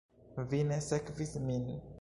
Vi ne sekvis min.